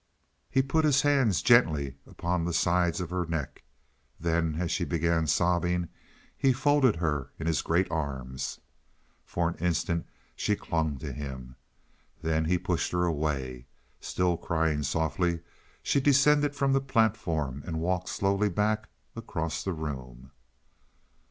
He put his hands gently upon the sides of her neck. Then, as she began sobbing, he folded her in his great arms. For an instant she clung to him. Then he pushed her away. Still crying softly, she descended from the platform, and walked slowly back across the room.